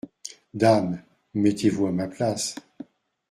Dame !… mettez-vous à ma place !…